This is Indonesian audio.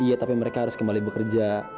iya tapi mereka harus kembali bekerja